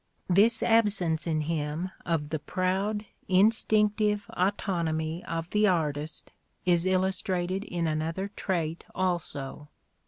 This absence in him of the proud, instinctive autonomy of the artist is illustrated in another trait also.